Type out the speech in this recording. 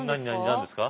何ですか？